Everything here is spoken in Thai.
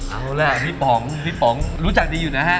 เอาล่ะพี่ป๋องรู้จักดีอยู่นะฮะ